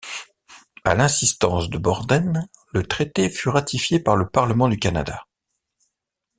À l'insistance de Borden, le traité fut ratifié par le Parlement du Canada.